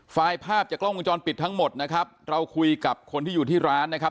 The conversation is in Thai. ไฟล์ภาพจากกล้องวงจรปิดทั้งหมดนะครับเราคุยกับคนที่อยู่ที่ร้านนะครับ